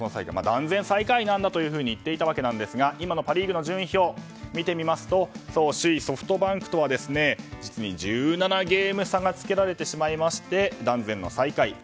断然最下位なんだと言っていたわけですが今のパ・リーグの順位表を見ると首位ソフトバンクとは実に１７ゲーム差がつけられてしまいまして断然の最下位。